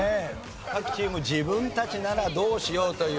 各チーム自分たちならどうしよう？という。